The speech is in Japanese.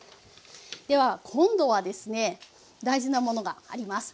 では今度はですね大事なものがあります。